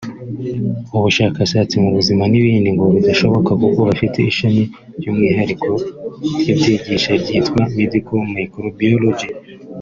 ubushakashatsi mu buzima n’ibindi ngo bidashoboka kuko bafite ishami ry’umwihariko ribyigisha ryitwa Medical Microbiology